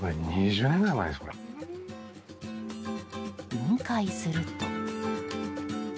分解すると。